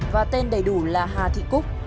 và tên đầy đủ là hà thị cúc